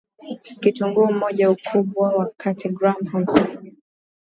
Kitunguu moja ukubwa wa kati gram hamsini